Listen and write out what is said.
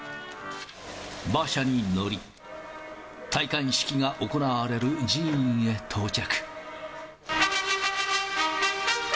馬車に乗り、戴冠式が行われる寺院へ到着。